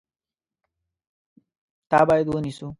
تا باید ونیسو !